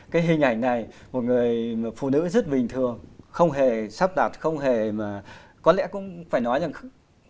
cái hình ảnh này một người phụ nữ rất bình thường không hề sắp đặt không hề mà có lẽ cũng phải nói rằng